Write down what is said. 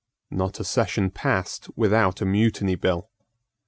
Not a session passed without a Mutiny Bill.